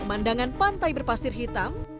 pemandangan pantai berpasir hitam